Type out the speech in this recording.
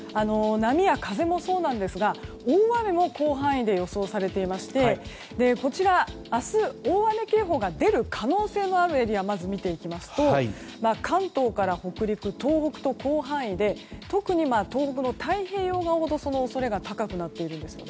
波や風もそうですが大雨も広範囲で予想されていまして明日、大雨警報が出る可能性のあるエリアを見ていきますと関東から北陸、東北と広範囲で特に東北の太平洋側ほどその恐れが高くなっています。